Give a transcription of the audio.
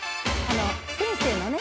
先生のね